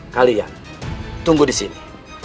kalian tunggu di sini